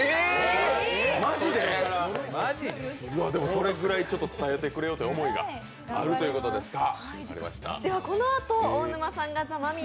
それぐらい伝えてくれようという思いがあるということですか。